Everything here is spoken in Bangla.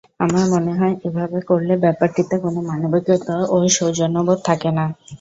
আমার মনে হয়, এভাবে করলে ব্যাপারটিতে কোনও মানবিকতা ও সৌজন্যবোধ থাকে না।